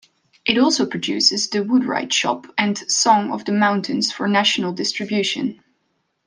It also produces "The Woodwright's Shop" and "Song of the Mountains" for national distribution.